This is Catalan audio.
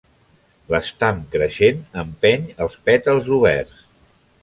L'estam creixent empeny els pètals oberts.